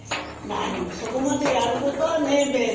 何もそこまでやることはねえべ」。